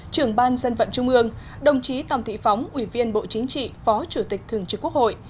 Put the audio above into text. trưởng ban dân vận trung ương đồng chí tòng thị phóng ủy viên bộ chính trị phó chủ tịch thường trực quốc hội